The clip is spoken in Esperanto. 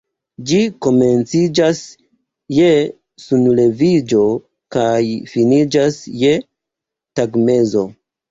Ĝi komenciĝas je sunleviĝo kaj finiĝas je tagmezo.